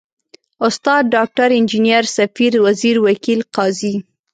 استاد، ډاکټر، انجنیر، ، سفیر، وزیر، وکیل، قاضي ...